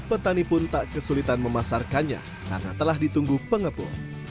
petani pun tak kesulitan memasarkannya karena telah ditunggu pengepul